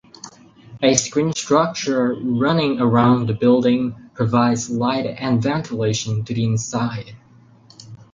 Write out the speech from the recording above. A screen structure running around the building provides light and ventilation to the inside.